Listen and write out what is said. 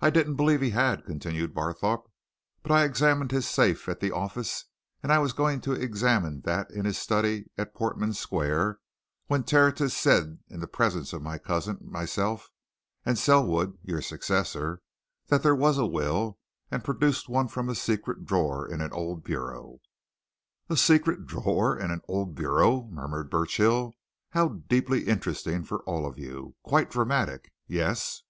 "I didn't believe he had," continued Barthorpe. "But I examined his safe at the office, and I was going to examine that in his study at Portman Square when Tertius said in the presence of my cousin, myself, and Selwood, your successor, that there was a will, and produced one from a secret drawer in an old bureau " "A secret drawer in an old bureau!" murmured Burchill. "How deeply interesting for all of you! quite dramatic. Yes?"